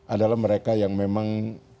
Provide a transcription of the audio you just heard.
adalah mereka yang memang